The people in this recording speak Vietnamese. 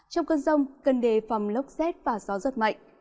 trong cơn rông cân đề phầm lốc rét và gió giật mạnh